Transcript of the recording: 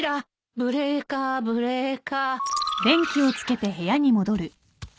ブレーカーブレーカー。